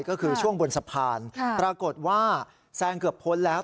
ก็คือช่วงบนสะพานปรากฏว่าแซงเกือบพ้นแล้ว